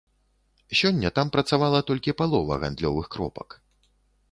Сёння там працавала толькі палова гандлёвых кропак.